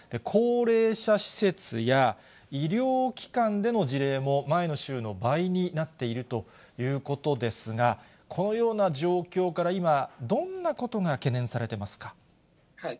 高齢者施設や医療機関での事例も前の週の倍になっているということですが、このような状況から今、どんなことが懸念されてますか。